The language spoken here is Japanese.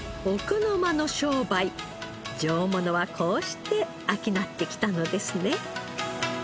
上物はこうして商ってきたのですね。